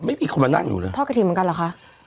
ไม่มีคนมานั่งอยู่เลยทอดกระถิ่นเหมือนกันเหรอคะ